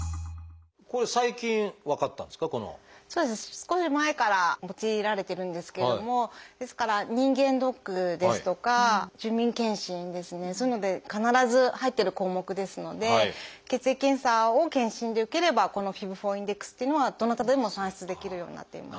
少し前から用いられてるんですけれどもですから人間ドックですとか住民健診ですねそういうので必ず入ってる項目ですので血液検査を健診で受ければこのＦＩＢ−４ｉｎｄｅｘというのはどなたでも算出できるようになっています。